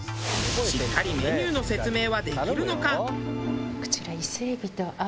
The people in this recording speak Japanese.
しっかりメニューの説明はできるのか？